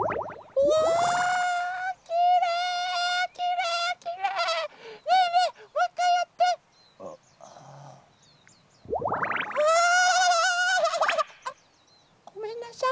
うわあっごめんなさい。